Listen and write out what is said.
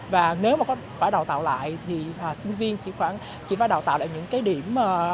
và nếu mà có phải đào tạo lại thì sinh viên chỉ phải đào tạo lại những cái điểm